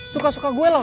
suka suka gue lah